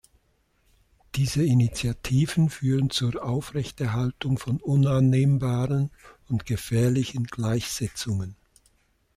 Diese Initiativen führen zur Aufrechterhaltung von unannehmbaren und gefährlichen Gleichsetzungen.